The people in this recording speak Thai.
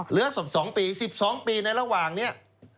เหลือศพ๒ปี๑๒ปีในระหว่างนี้